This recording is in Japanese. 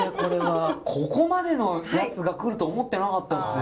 ここまでのやつが来ると思ってなかったんですよ。